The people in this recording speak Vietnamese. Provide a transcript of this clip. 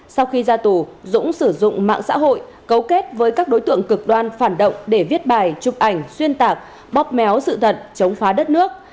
sau khi ra tù dũng sử dụng mạng xã hội cấu kết với các đối tượng cực đoan phản động để viết bài chụp ảnh xuyên tạc bóp méo sự thật chống phá đất nước